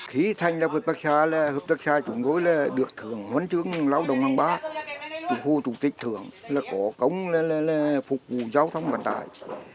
khí thanh là hợp tác xã là hợp tác xã chủng đối là được thưởng huấn chứng lao động hàng bác chủ hội chủ tịch thưởng là có công là là là phục vụ giao thông vận tài